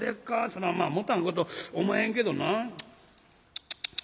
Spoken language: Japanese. そらまあ持たんことおまへんけどな」。